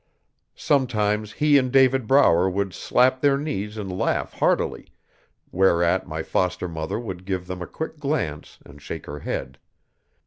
Sometimes he and David Brower would slap their knees and laugh heartily, whereat my foster mother would give them a quick glance and shake her head.